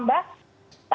di kantor kami pun